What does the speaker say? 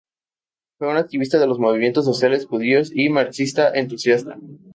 Fue un activista de los movimientos sociales judíos y marxista entusiasta.